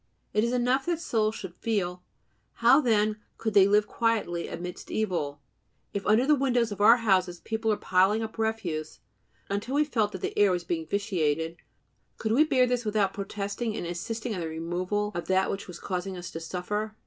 It is enough that souls should "feel." How, then, could they live quietly amidst evil? If under the windows of our house people were piling up refuse until we felt that the air was being vitiated, could we bear this without protesting, and insisting on the removal of that which was causing us to suffer?